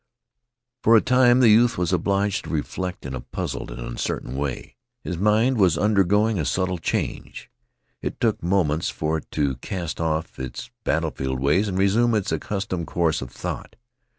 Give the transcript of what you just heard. For a time the youth was obliged to reflect in a puzzled and uncertain way. His mind was undergoing a subtle change. It took moments for it to cast off its battleful ways and resume its accustomed course of thought.